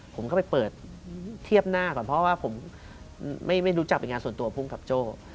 ผมก็ไปเปิดเทียบหน้าก่อนเพราะว่าผมไม่รู้จักเป็นงานส่วนตัวภูมิกับโจ้